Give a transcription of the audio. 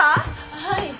はい。